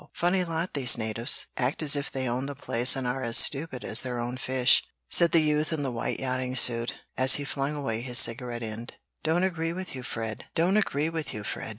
"Funny lot, these natives! Act as if they owned the place and are as stupid as their own fish," said the youth in the white yachting suit, as he flung away his cigarette end. "Don't agree with you, Fred.